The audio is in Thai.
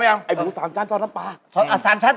ไม่สมควร